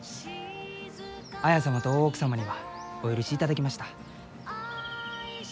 綾様と大奥様にはお許しいただきました。